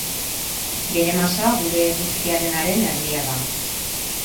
Bere masa, gure eguzkiarenaren erdia da.